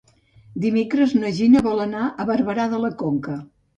Dimecres na Gina vol anar a Barberà de la Conca.